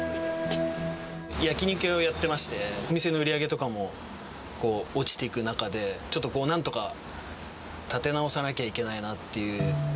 焼き肉屋をやってまして、お店の売り上げとかもこう、落ちていく中で、ちょっとなんとか立て直さなきゃいけないなっていう。